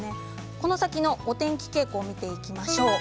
この先のお天気傾向を見ていきましょう。